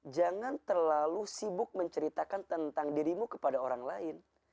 jangan terlalu sibuk menceritakan tentang dirimu kepada orang lain